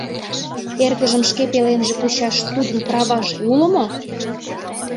Эргыжым шке пеленже кучаш тудын праваже уло мо?